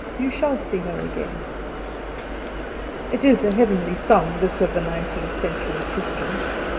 You shall see her again." It is a heavenly song, this of the nineteenth century Christian.